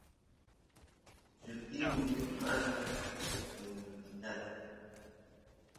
llutingu maqan llutingutitata